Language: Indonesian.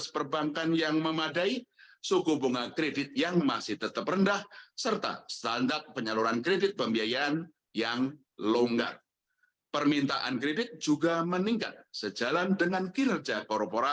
perlu saya ulangi lagi pak